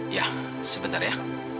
iya sebentar ya